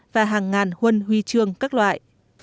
và hàng ngàn huân huy trường các loại